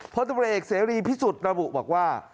พลตำรวจเอกเสรีพิสุทธิ์ระบุบอกว่า